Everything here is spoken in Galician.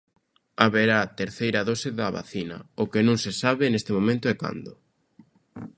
Haberá terceira dose da vacina, o que non se sabe neste momento é cando.